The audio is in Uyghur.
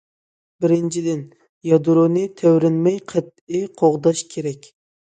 بىرىنچىدىن، يادرونى تەۋرەنمەي قەتئىي قوغداش كېرەك.